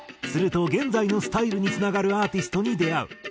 すると現在のスタイルにつながるアーティストに出会う。